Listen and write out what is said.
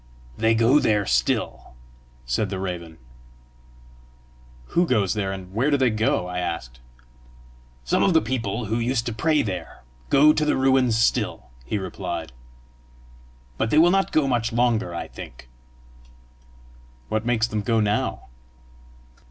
"They go there still," said the raven. "Who goes there? and where do they go?" I asked. "Some of the people who used to pray there, go to the ruins still," he replied. "But they will not go much longer, I think." "What makes them go now?"